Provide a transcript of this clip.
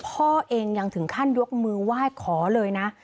พ่อเองยังถึงขั้นยกมือไหว้ขอเลยนะ